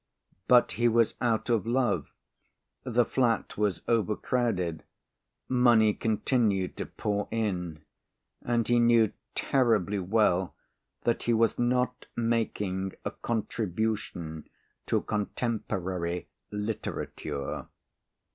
But he was out of love, the flat was overcrowded, money continued to pour in and he knew terribly well that he was not making a contribution to contemporary literature.